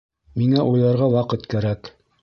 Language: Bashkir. Миңә уйларға ваҡыт кәрәк